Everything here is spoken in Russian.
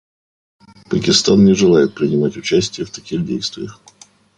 Пакистан не желает принимать участие в таких действиях.